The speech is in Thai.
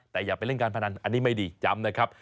แต่อย่าไปเล่นการพนันอันนี้ไม่ดีจำนะครับ